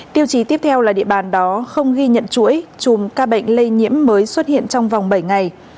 tiêu chí tiếp theo là địa bàn đó không ghi nhận chuỗi chùm ca bệnh lây nhiễm mới xuất hiện trong vòng bảy ngày